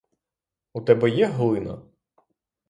У тебе є глина?